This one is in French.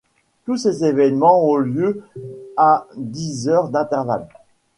Tous ces événements ont lieu à dix heures d’intervalle.